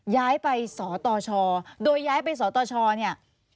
ย้ายไปสอต่อชอโดยย้ายไปสอต่อชอนี่